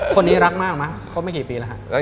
คนนี้รักมากมั้ครบไม่กี่ปีแล้วฮะ